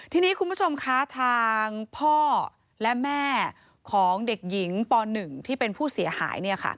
ทีนี้คุณผู้ชมคะทางพ่อและแม่ของเด็กหญิงป๑ที่เป็นผู้เสียหาย